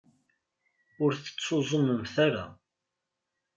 Ur tettuẓumemt ara.